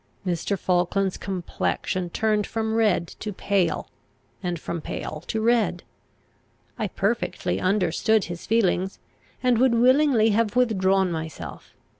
Mr. Falkland's complexion turned from red to pale, and from pale to red. I perfectly understood his feelings, and would willingly have withdrawn myself.